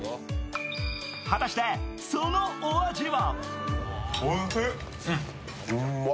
果たして、そのお味は？